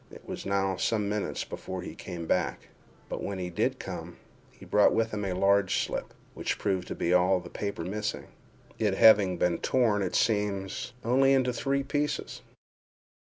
It was now some minutes before he came back—but when he did come, he brought with him a large slip, which proved to be all the paper missing—it having been torn, it seems, only into three pieces.